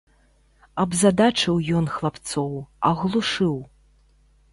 Абзадачыў ён хлапцоў, аглушыў.